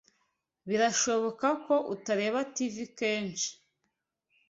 Birashoboka ko utareba TV kenshi?